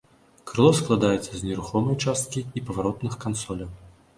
Крыло складаецца з нерухомай часткі і паваротных кансоляў.